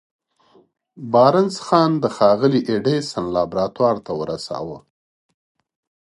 بارنس ځان د ښاغلي ايډېسن لابراتوار ته ورساوه.